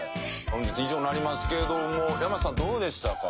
本日以上になりますけども山瀬さんどうでしたか？